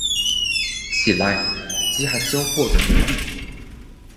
起来，饥寒交迫的奴隶！